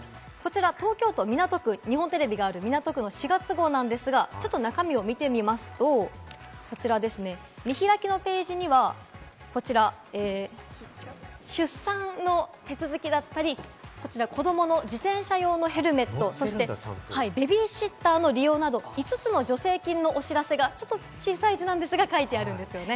東京都港区、日本テレビがある港区の４月号なんですが、中身を見てみますと、見開きのページには出産の手続きだったり、子供の自転車用のヘルメット、そしてベビーシッターの利用など、５つの助成金のお知らせが小さい字ですが、書いています。